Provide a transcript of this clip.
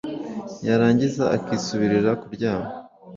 yarangiza akisubirira kuryama.